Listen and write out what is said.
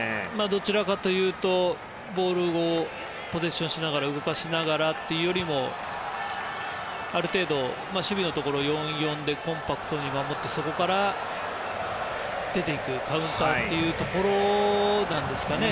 どちらかというとボールをポゼッションしながら動かしながらというよりもある程度、守備のところを４−４でコンパクトに守ってそこから出ていくカウンターというところですかね